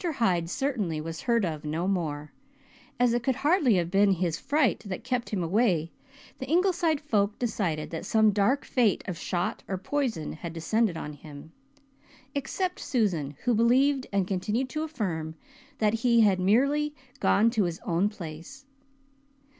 Hyde certainly was heard of no more. As it could hardly have been his fright that kept him away the Ingleside folk decided that some dark fate of shot or poison had descended on him except Susan, who believed and continued to affirm that he had merely "gone to his own place."